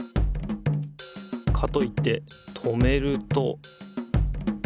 かといって止めると。